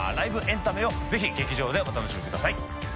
鵐織瓩ぜひ劇場でお楽しみください。